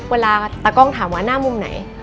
เวลาตากล้องถามว่าหน้ามุมไหน